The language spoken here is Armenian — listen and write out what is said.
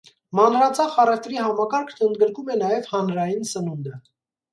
Մանրածախ առևտրի համակարգն ընդգրկում է նաև հանրային սնունդը։